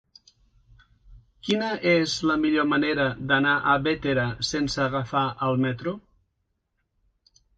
Quina és la millor manera d'anar a Bétera sense agafar el metro?